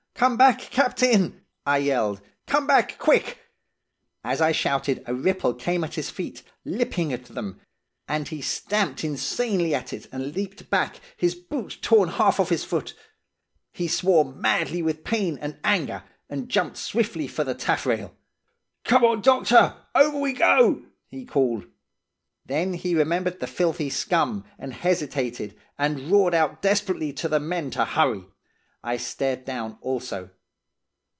'Come back, captain!' I yelled. 'Come back, quick!' As I shouted, a ripple came at his feet–lipping at them; and he stamped insanely at it, and leaped back, his boot torn half off his foot. He swore madly with pain and anger, and jumped swiftly for the taffrail. "'Come on, doctor! Over we go!' he called. Then he remembered the filthy scum, and hesitated, and roared out desperately to the men to hurry. I stared down, also.